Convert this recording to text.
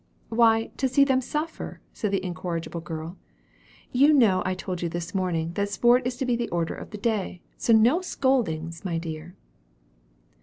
"Why, to see them suffer," said the incorrigible girl. "You know I told you this morning, that sport is to be the order of the day. So no scoldings, my dear."